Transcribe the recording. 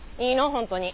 本当に。